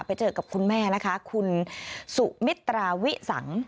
ไปเจอกับคุณแม่นะคะคุณสุมิตราวิสัง